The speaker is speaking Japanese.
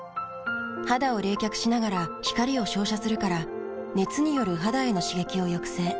肌を冷却しながら光を照射するから熱による肌への刺激を抑制。